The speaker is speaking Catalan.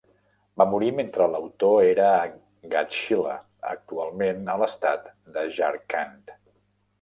Va morir mentre l'autor era a Ghatshila, actualment a l'estat de Jharkhand.